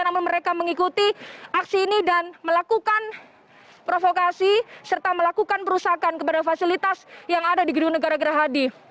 namun mereka mengikuti aksi ini dan melakukan provokasi serta melakukan perusakan kepada fasilitas yang ada di gedung negara gerahadi